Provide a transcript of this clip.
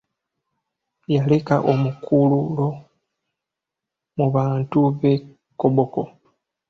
Yaleka omukululo mu bantu b'e Koboko.